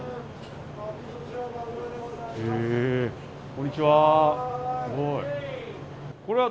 こんにちは。